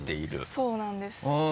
そうなんです。